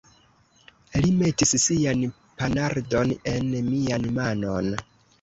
Li metis sian ponardon en mian manon.